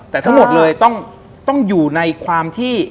แต่ทั้งหมดเลยต้องอยู่ในความที่